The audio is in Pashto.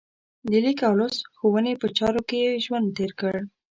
د لیک او لوست ښوونې په چارو کې یې ژوند تېر کړ.